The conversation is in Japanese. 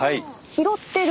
拾ってる。